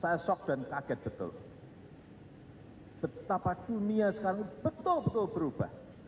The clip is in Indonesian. saya shock dan kaget betul betapa dunia sekarang betul betul berubah